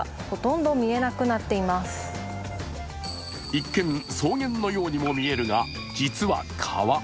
一見、草原のようにも見えるが実は川。